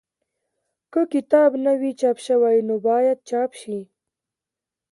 که کتاب نه وي چاپ شوی نو باید چاپ شي.